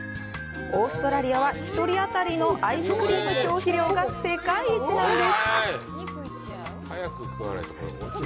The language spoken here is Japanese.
オーストラリアは１人当たりのアイスクリーム消費量が世界一なんです。